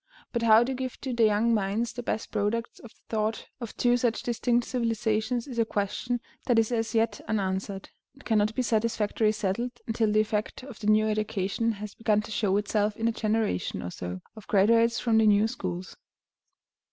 But how to give to the young minds the best products of the thought of two such distinct civilizations is a question that is as yet unanswered, and cannot be satisfactorily settled until the effect of the new education has begun to show itself in a generation or so of graduates from the new schools.